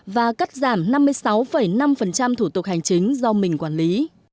và cắt giảm năm mươi sáu năm thủ tục hành chính do mình quản lý